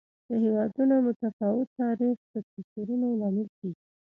د هېوادونو متفاوت تاریخ د توپیرونو لامل کېږي.